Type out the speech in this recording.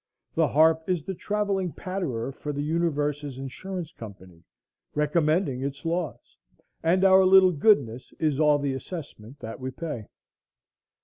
The harp is the travelling patterer for the Universe's Insurance Company, recommending its laws, and our little goodness is all the assessment that we pay.